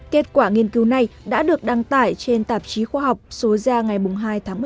kết quả nghiên cứu này đã được đăng tải trên tạp chí khoa học số ra ngày hai tháng một mươi một